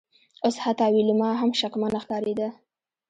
اوس حتی ویلما هم شکمنه ښکاریده